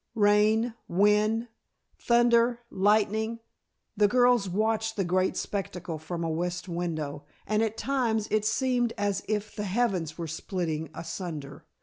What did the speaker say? Rain, wind, thunder, lightning! The girls watched the great spectacle from a west window, and at times it seemed as if the heavens were splitting asunder.